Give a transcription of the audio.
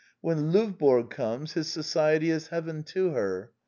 When Lovborg comes, his society is heaven to her.